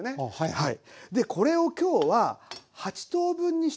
はい。